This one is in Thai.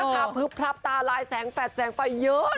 ฮะบันไหนอย่างไร